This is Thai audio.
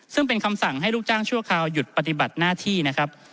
ซึ่งเป็นคำสั่งให้ลูกจ้างชั่วคราวหยุดปฏิบัติหน้าที่นะครับ